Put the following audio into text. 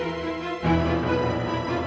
yang sepupu banget